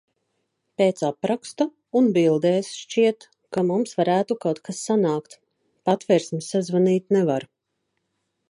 Pēc apraksta un bildēs šķiet, ka mums varētu kaut kas sanākt. Patversmi sazvanīt nevar.